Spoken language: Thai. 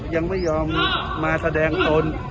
ยังไม่ยอมมาแสดงตน